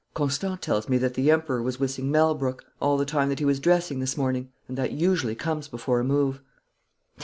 'Constant tells me that the Emperor was whistling "Malbrook" all the time that he was dressing this morning, and that usually comes before a move.'